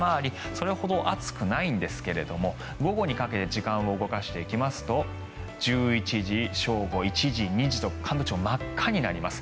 それほど暑くないんですけれど午後にかけて時間を動かしていきますと１１時、正午、１時、２時と関東地方、真っ赤になります。